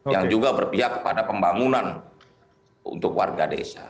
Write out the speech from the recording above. yang juga berpihak kepada pembangunan untuk warga desa